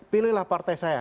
pilihlah partai saya